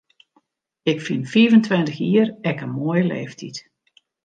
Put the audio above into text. Ik fyn fiif en tweintich jier ek in moaie leeftyd.